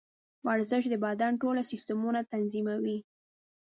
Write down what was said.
ورزش د بدن ټول سیسټمونه تنظیموي.